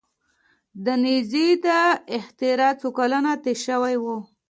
د نیزې د اختراع څو کلونه تیر شوي وو.